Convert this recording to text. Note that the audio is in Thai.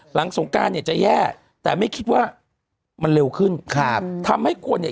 สงการเนี่ยจะแย่แต่ไม่คิดว่ามันเร็วขึ้นครับทำให้คนเนี่ย